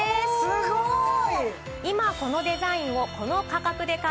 すごい！